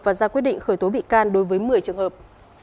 và ra quyết định khởi tố bị can đối với một mươi trường hợp